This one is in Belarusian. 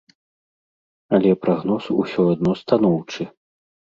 Але прагноз усё адно станоўчы.